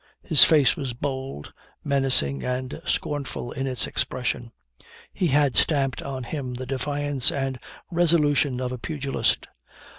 His face was bold, menacing, and scornful in its expression. He had stamped on him the defiance and resolution of a pugilist.